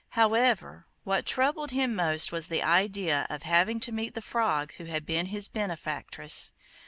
However, what troubled him most was the idea of having to meet the Frog who had been his benefactress.